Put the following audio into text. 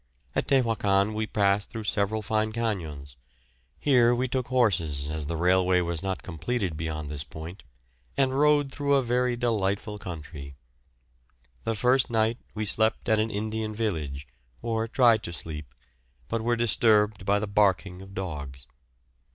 At Tehuacan we passed through several fine cañons; here we took horses, as the railway was not completed beyond this point, and rode through a very delightful country. The first night we slept at an Indian village, or tried to sleep, but were disturbed by the barking of dogs.